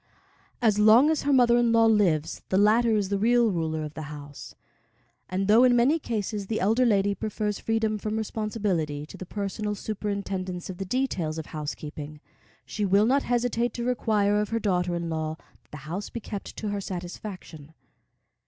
As long as her mother in law lives, the latter is the real ruler of the house; and though in many cases the elder lady prefers freedom from responsibility to the personal superintendence of the details of housekeeping, she will not hesitate to require of her daughter in law that the house be kept to her satisfaction.